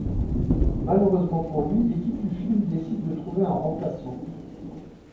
Malheureusement pour lui l'équipe du film décide de trouver un remplaçant.